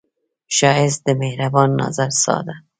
ښایست د مهربان نظر ساه ده